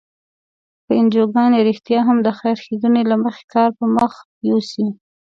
که انجوګانې رښتیا هم د خیر ښیګڼې له مخې کار پر مخ یوسي.